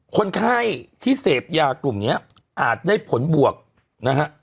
คนไข้ที่เสพยากลุ่มนี้อาจได้ผลบวกนะฮะ